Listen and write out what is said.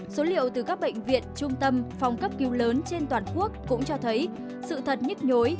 số liệu từ các bệnh viện trung tâm phòng cấp cứu lớn trên toàn quốc cũng cho thấy sự thật nhức nhối